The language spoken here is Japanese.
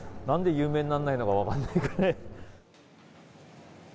なんで有名になんないのか分かんないぐらい。